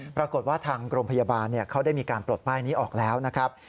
ปรากฏว่าทางโรงพยาบาลเขาได้มีการปลดป้ายนี้ออกแล้วนะครับ